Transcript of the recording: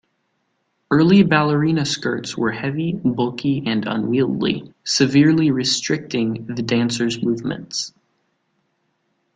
Early ballerina skirts were heavy, bulky and unwieldy, severely restricting the dancer's movements.